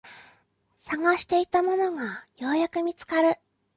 探していたものがようやく見つかる